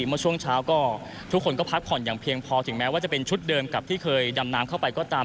เมื่อช่วงเช้าก็ทุกคนก็พักผ่อนอย่างเพียงพอถึงแม้ว่าจะเป็นชุดเดิมกับที่เคยดำน้ำเข้าไปก็ตาม